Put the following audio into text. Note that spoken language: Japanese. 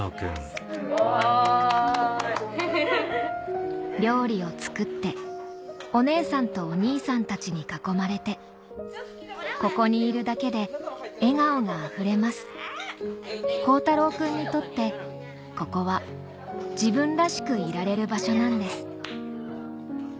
すごい！料理を作ってお姉さんとお兄さんたちに囲まれてここにいるだけで笑顔があふれますこうたろうくんにとってここは自分らしくいられる場所なんです